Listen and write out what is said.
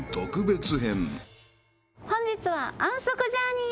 本日は。